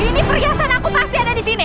ini perhiasan aku pasti ada di sini